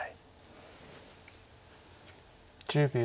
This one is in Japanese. １０秒。